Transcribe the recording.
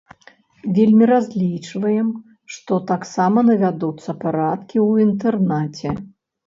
Вельмі разлічваем, што таксама навядуцца парадкі ў інтэрнаце.